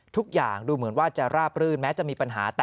ทุกอย่างดูเหมือนว่าจะราบรื่นแม้จะมีปัญหา